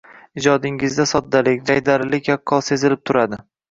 – Ijodingizda soddalik, jaydarilik yaqqol sezilib turadi.